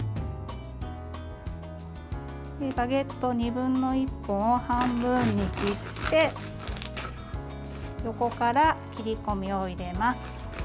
バゲット２分の１本を半分に切って横から切り込みを入れます。